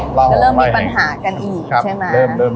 ก็เริ่มมีปัญหากันอีกใช่ไหม